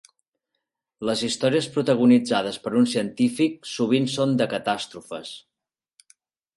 Les històries protagonitzades per un científic sovint són de catàstrofes.